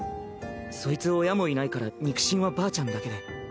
そいつ親もいないから肉親はばあちゃんだけで。